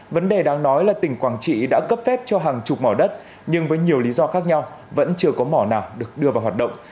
vấn đề đáng nói là tỉnh quảng trị đã cấp phép cho hàng chục mỏ đất nhưng với nhiều lý do khác nhau vẫn chưa có mỏ nào được đưa vào hoạt động